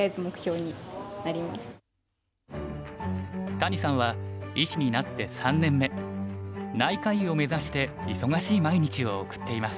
谷さんは医師になって３年目内科医を目指して忙しい毎日を送っています。